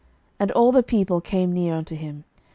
And all the people came near unto him.